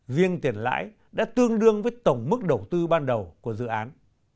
riêng tiền lãi đã tương đương với tổng mức đầu tư ban đầu của dự án